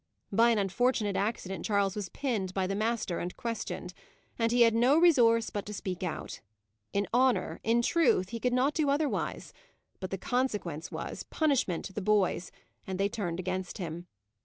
By an unfortunate accident Charles was pinned by the master, and questioned; and he had no resource but to speak out. In honour, in truth, he could not do otherwise; but, the consequence was punishment to the boys; and they turned against him.